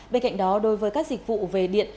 bên cạnh đó đối với các dịch vụ về điện